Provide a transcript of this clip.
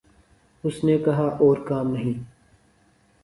اس نے کہا اور کام نہیں